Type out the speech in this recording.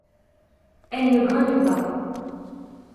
Elles ne grognent pas.